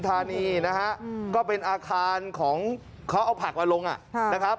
ธานีนะฮะก็เป็นอาคารของเขาเอาผักมาลงนะครับ